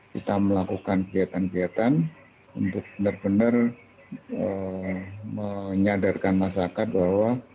kita melakukan kegiatan kegiatan untuk benar benar menyadarkan masyarakat bahwa